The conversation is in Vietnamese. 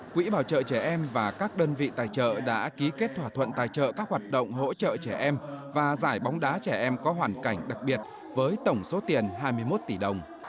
quỹ bảo trợ trẻ em và các đơn vị tài trợ đã ký kết thỏa thuận tài trợ các hoạt động hỗ trợ trẻ em và giải bóng đá trẻ em có hoàn cảnh đặc biệt với tổng số tiền hai mươi một tỷ đồng